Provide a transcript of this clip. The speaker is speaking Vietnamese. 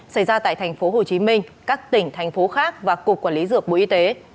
xảy ra tại tp hcm các tỉnh thành phố khác và cục quản lý dược bộ y tế